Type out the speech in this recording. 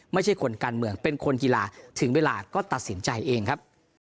ไม่ใช่คนการเมืองเป็นคนกีฬาถึงเวลาก็ตัดสินใจเองครับ